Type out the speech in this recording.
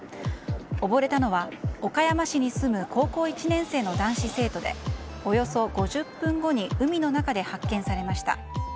溺れたのは岡山市に住む高校１年生の男子生徒でおよそ５０分後に海の中で発見されました。